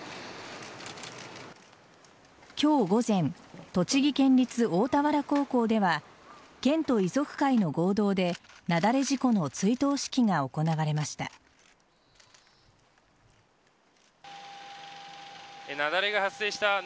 今日午前栃木県立大田原高校では県と遺族会の合同で雪崩事故の追悼式が行われました。